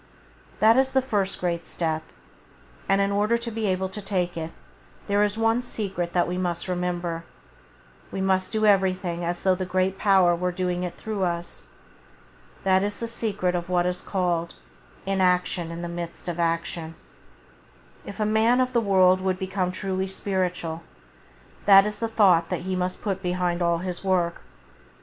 That is the first great step, and in order to be able to take it there is one secret that we must remember: we must do everything as though the Great Power were doing it through us. That is the secret of what is called "inaction in the midst of action". If a man of the world would become truly spiritual, that is the thought that he must put behind all his work.